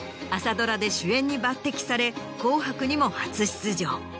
朝ドラで主演に抜てきされ『紅白』にも初出場。